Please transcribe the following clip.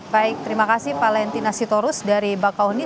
baik terima kasih valentina sitorus dari bakauni